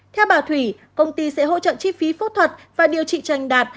theo bà thủy công ty sẽ hỗ trợ chi phí phẫu thuật và điều trị tranh đạt